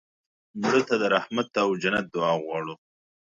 مړه ته د رحمت او جنت دعا غواړو